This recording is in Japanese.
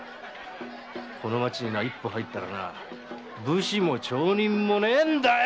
この街に一歩入ったらな武士も町人もねえんだよ！